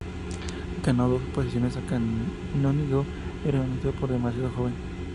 Ganó dos oposiciones a canónigo y renunció por ser demasiado joven.